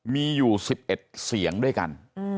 มีอยู่๑๑เสียงด้วยกัน